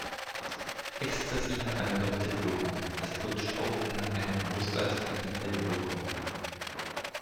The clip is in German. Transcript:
Ecstasy hat eine doppelte Wirkung: Es putscht auf und hat eine bewusstseinsverändernde Wirkung.